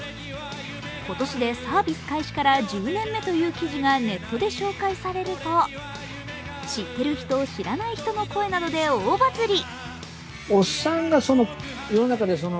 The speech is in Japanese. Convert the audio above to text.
今年でサービス開始から１０年目という記事がネットで紹介されると知ってる人、知らない人の声などで大バズり。